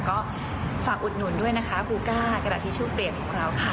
ก็ฝากอุดหนุนด้วยนะคะบูก้ากระดาษทิชชู่เปลี่ยนของเราค่ะ